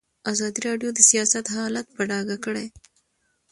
ازادي راډیو د سیاست حالت په ډاګه کړی.